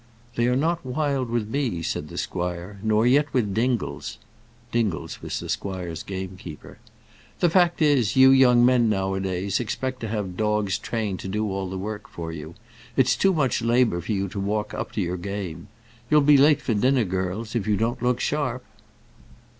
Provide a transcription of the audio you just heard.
"They are not wild with me," said the squire; "nor yet with Dingles." Dingles was the squire's gamekeeper. "The fact is, you young men, nowadays, expect to have dogs trained to do all the work for you. It's too much labour for you to walk up to your game. You'll be late for dinner, girls, if you don't look sharp."